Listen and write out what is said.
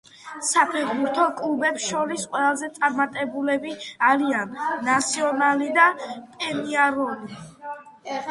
საფეხბურთო კლუბებს შორის, ყველაზე წარმატებულები არიან „ნასიონალი“ და „პენიაროლი“.